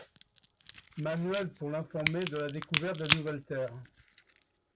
Manuel I pour l'informer de la découverte des nouvelles terres.